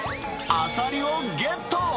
アサリをゲット。